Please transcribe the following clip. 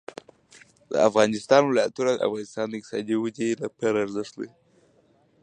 د افغانستان ولايتونه د افغانستان د اقتصادي ودې لپاره ارزښت لري.